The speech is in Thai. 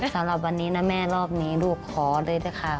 สำหรับวันนี้นะแม่รอบนี้ลูกขอด้วยนะคะ